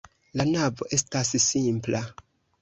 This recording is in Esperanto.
La navo estas simpla.